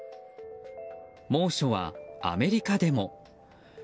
猛暑はアメリカでも。